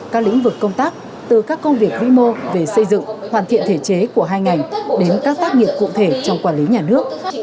các lĩnh vực công tác từ các công việc vĩ mô về xây dựng hoàn thiện thể chế của hai ngành đến các tác nghiệp cụ thể trong quản lý nhà nước